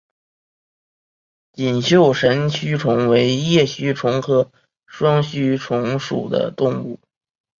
锦绣神须虫为叶须虫科双须虫属的动物。